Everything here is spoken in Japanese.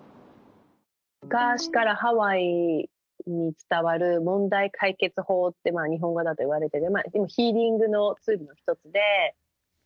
昔からハワイに伝わる問題解決法って、日本語だといわれていて、ヒーリングのツールの一つで。